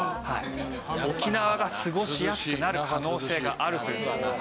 沖縄が過ごしやすくなる可能性があるという事なので。